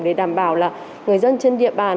để đảm bảo là người dân trên địa bàn